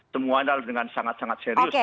temuan hal dengan sangat sangat serius